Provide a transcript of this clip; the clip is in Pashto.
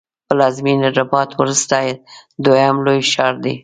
د پلازمېنې رباط وروسته دویم لوی ښار دی.